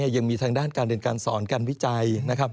ยังมีทางด้านการเรียนการสอนการวิจัยนะครับ